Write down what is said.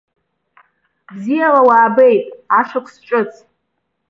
Бзиала уаабеит, ашықәс ҿыц!